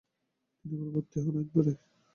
তিনি আবার ভর্তি হন আইন পড়ায়।